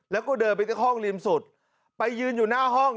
แล้วก็เดินไปจากห้องริมสุดไปยืนอยู่หน้าห้อง